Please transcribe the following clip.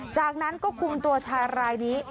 จากนั้นก็คุมตัวชายรายนี้